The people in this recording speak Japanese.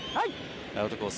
アウトコース